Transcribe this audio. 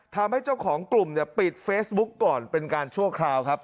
ทำให้เจ้าของกลุ่มเนี่ยปิดเฟซบุ๊กก่อนเป็นการชั่วคราวครับ